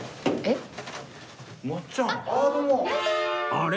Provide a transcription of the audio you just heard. あれ？